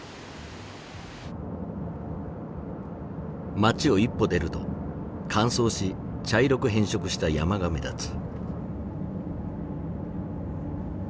街を一歩出ると乾燥し茶色く変色した山が目立つ。